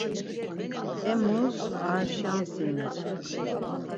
Emus ar şansi meçi.